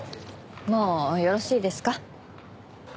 もうよろしいですか？